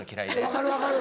分かる分かる。